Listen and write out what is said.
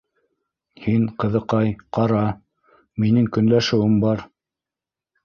Һин, ҡыҙыҡай, ҡара, минең көнләшеүем бар.